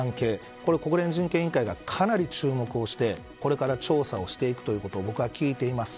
これ国連人権委員会がかなり注目してこれから調査をしていくということを僕は聞いています。